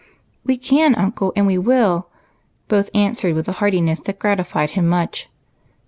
" We can, uncle, and we will !" both answered with a heartiness that gratified him much.